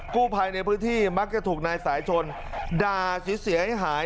กู้ภัยในพื้นที่มักจะถูกนายสายชนด่าเสียให้หาย